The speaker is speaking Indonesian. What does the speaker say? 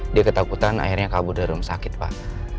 dia ketakutan akhirnya kabur dari rumah sakit pak